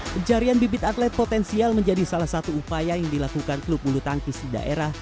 pencarian bibit atlet potensial menjadi salah satu upaya yang dilakukan klub bulu tangkis di daerah